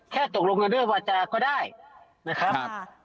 ตกลงกันด้วยวาจาก็ได้นะครับ